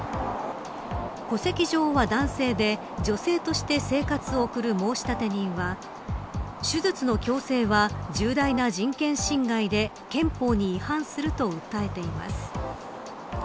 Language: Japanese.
戸籍上は男性で女性として生活を送る申立人は手術の強制は重大な人権侵害で憲法に違反すると訴えています。